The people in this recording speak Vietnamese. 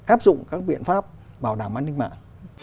áp dụng các biện pháp bảo đảm an ninh mạng